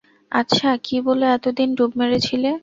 আচ্ছা, কি বলে এতদিন ডুব মেরে ছিলে?